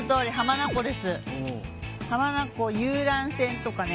浜名湖遊覧船とかね